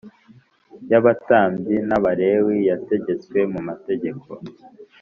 y abatambyi n Abalewi yategetswe mu mategeko